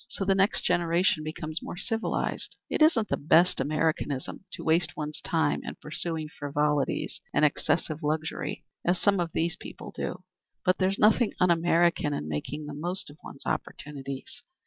So the next generation becomes more civilized. It isn't the best Americanism to waste one's time in pursuing frivolities and excessive luxury, as some of these people do; but there's nothing un American in making the most of one's opportunities.